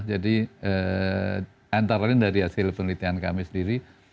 jadi antara lain dari hasil penelitian kami sendiri